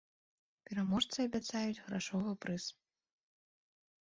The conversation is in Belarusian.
Пераможцы абяцаюць грашовы прыз.